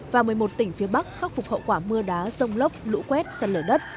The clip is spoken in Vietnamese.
và một mươi một tỉnh phía bắc khắc phục hậu quả mưa đá rông lốc lũ quét sạt lở đất